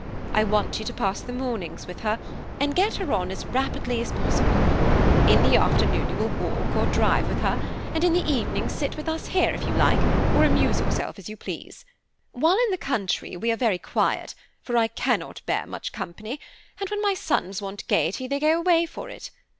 I want you to pass the mornings with her, and get her on as rapidly as possible. In the afternoon you will walk or drive with her, and in the evening sit with us here, if you like, or amuse yourself as you please. While in the country we are very quiet, for I cannot bear much company, and when my sons want gaiety, they go away for it.